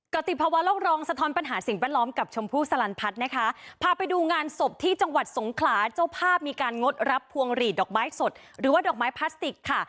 ติภาวะโลกรองสะท้อนปัญหาสิ่งแวดล้อมกับชมพู่สลันพัฒน์นะคะพาไปดูงานศพที่จังหวัดสงขลาเจ้าภาพมีการงดรับพวงหลีดดอกไม้สดหรือว่าดอกไม้พลาสติกค่ะ